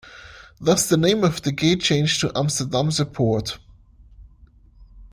Thus the name of the gate changed to "Amsterdamse Poort".